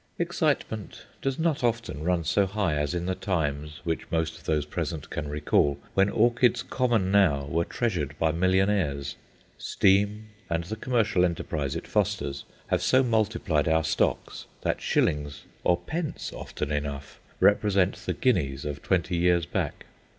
Excitement does not often run so high as in the times, which most of those present can recall, when orchids common now were treasured by millionaires. Steam, and the commercial enterprise it fosters, have so multiplied our stocks, that shillings or pence, often enough represent the guineas of twenty years back.